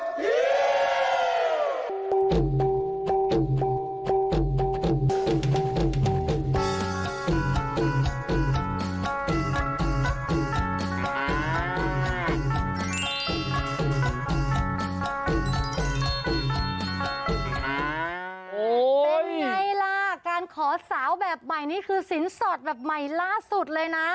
เป็นไงล่ะการขอสาวแบบใหม่นี่คือสินสอดแบบใหม่ล่าสุดเลยนะ